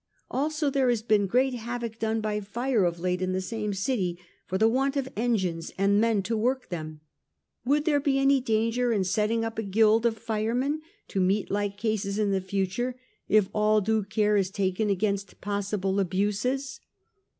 Also there has been great havoc done by fire of late in the same city for the want of engines and the men to work them ; would there be any danger in setting up a guild of firemen to meet like cases in the future, if all due care is taken against possible abuses?'